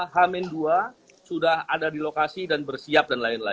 h dua sudah ada di lokasi dan bersiap